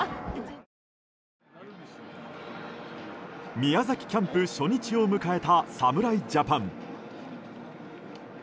宮崎キャンプ初日を迎えた侍ジャパン。